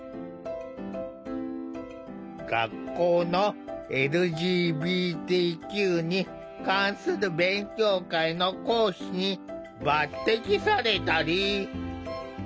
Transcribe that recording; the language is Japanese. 学校のＬＧＢＴＱに関する勉強会の講師に抜てきされたり。